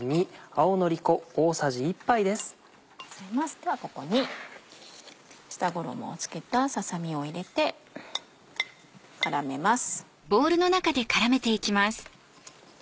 ではここに下衣を付けたささ身を入れて絡めます。